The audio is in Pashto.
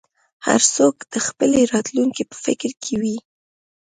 هر څوک د خپلې راتلونکې په فکر کې وي.